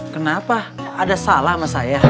kenapa ada salah sama saya